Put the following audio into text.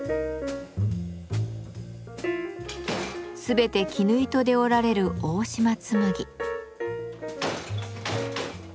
全て絹糸で織られる大島紬。